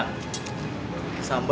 kamu kepada di college